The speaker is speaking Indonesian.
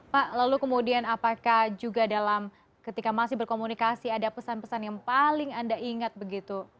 pak lalu kemudian apakah juga dalam ketika masih berkomunikasi ada pesan pesan yang paling anda ingat begitu